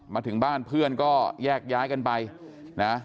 มาถึงบ้านเพื่อนก็แยกย้ายกันไปนะ